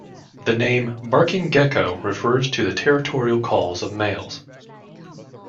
The name "Barking gecko" refers to the territorial calls of males.